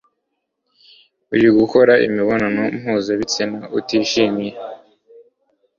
uri gukora imibonano mpuzabitsina utishimye